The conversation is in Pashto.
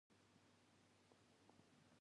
ژوندون ساعت کې کوچنۍ ستن ده